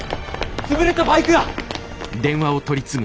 潰れたバイク屋！